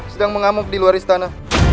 sedang mengamuk di luar istana